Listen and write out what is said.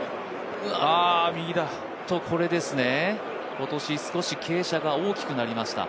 これですね、今年少し傾斜が大きくなりました。